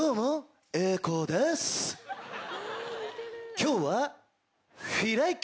・今日は。